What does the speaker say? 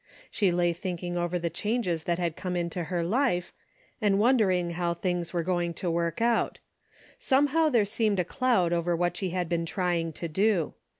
She lay thinking over the changes that had come into her life, and wondering how things were going to work out. Somehow there seemed a cloud over what she had been trying to do.